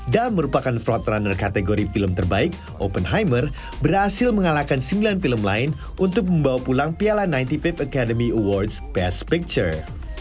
dam merupakan front runner kategori film terbaik open hoymor berhasil mengalahkan sembilan film lain untuk membawa pulang piala sembilan puluh lima academy awards best picture